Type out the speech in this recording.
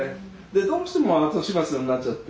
どうしても後始末になっちゃって。